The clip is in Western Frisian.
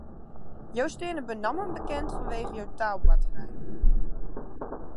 Jo steane benammen bekend fanwege jo taalboarterij.